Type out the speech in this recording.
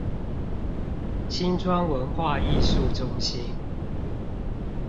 新莊文化藝術中心